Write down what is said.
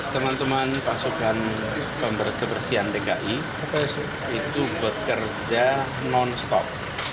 teman teman pasukan pembersihan dki itu bekerja non stop